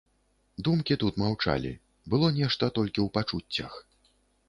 Думкі тут маўчалі, было нешта толькі ў пачуццях.